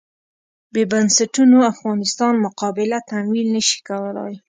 بې بنسټونو افغانستان مقابله تمویل نه شي کولای.